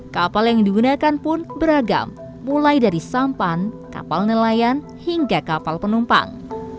kapal yang digunakan pun beragam mulai dari sampan kapal nelayan hingga kapal penumpang